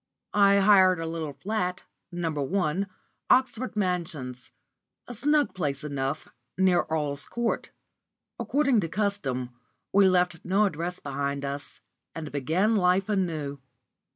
I hired a little flat, No. 1, Oxford Mansions, a snug place enough, near Earl's Court. According to custom, we left no address behind us, and began life anew.